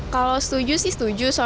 kalau setuju setuju